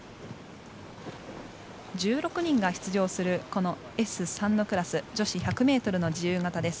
１６人が出場するＳ３のクラス女子１００ｍの自由形です。